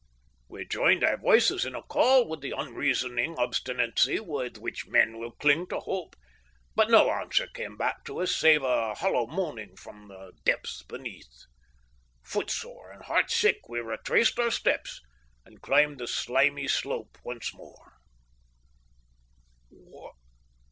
We joined our voices in a call with the unreasoning obstinacy with which men will cling to hope, but no answer came back to us save a hollow moaning from the depths beneath. Footsore and heart sick, we retraced our steps and climbed the slimy slope once more.